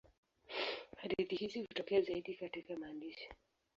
Hadithi hizi hutokea zaidi katika maandishi.